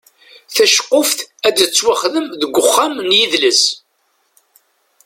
Taceqquft ad tettwaxdem deg uxxam n yidles.